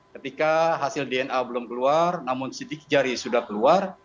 ketika hasil dna belum keluar namun sidik jari sudah keluar